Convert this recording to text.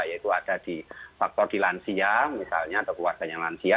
yaitu ada di faktor di lansia misalnya atau keluarganya lansia